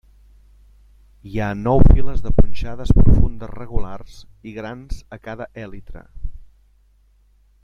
Hi ha nou files de punxades profundes regulars i grans a cada èlitre.